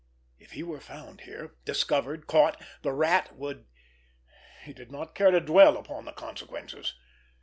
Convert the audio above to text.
If he were found here, discovered, caught, the Rat would——He did not care to dwell upon the consequences.